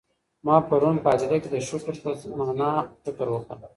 ما پرون په هدیره کي د شکر پر مانا فکر وکړی.